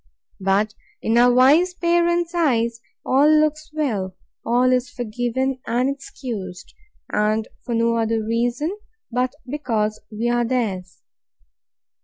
But, in our wise parents' eyes, all looks well, all is forgiven and excused; and for no other reason, but because we are theirs.